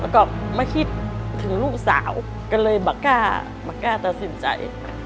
แล้วก็มาคิดถึงลูกสาวก็เลยมากล้าตัดสินใจ